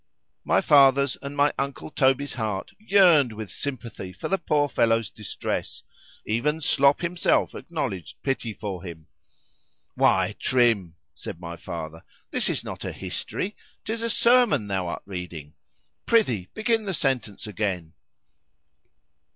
_ My father's and my uncle Toby's heart yearned with sympathy for the poor fellow's distress; even Slop himself acknowledged pity for him.——Why, Trim, said my father, this is not a history,——'tis a sermon thou art reading; prithee begin the sentence again.